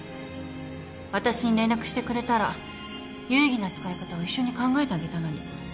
私に連絡してくれたら有意義な使い方を一緒に考えてあげたのに。